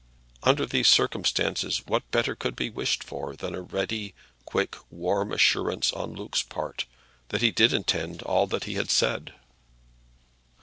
Under these circumstances what better could be wished for than a ready, quick, warm assurance on Luke's part, that he did intend all that he had said?